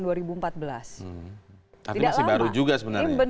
ini masih baru juga sebenarnya